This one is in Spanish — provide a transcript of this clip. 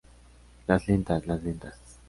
las lentas. las lentas.